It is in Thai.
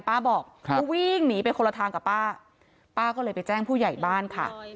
ป้าบอกก็วิ่งหนีไปคนละทางกับป้าป้าก็เลยไปแจ้งผู้ใหญ่บ้านค่ะ